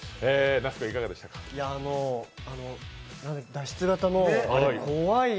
脱出型のあれ、怖い。